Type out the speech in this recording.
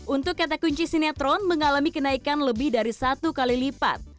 untuk kata kunci sinetron mengalami kenaikan lebih dari satu kali lipat